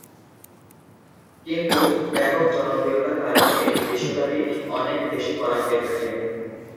কিন্তু, ব্যাপক জনপ্রিয়তার কারণে এটি বিশ্বব্যাপী অনেক দেশে করা হয়ে থাকে।